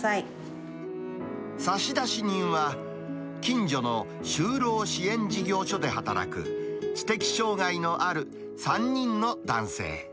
差出人は、近所の就労支援事業所で働く、知的障がいのある３人の男性。